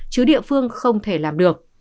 chứ địa phương không thể làm được